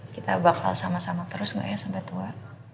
kita bakal sama sama terus mbak ya sampai tua